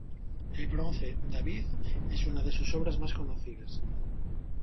El bronce "David" es una de sus obras más conocidas.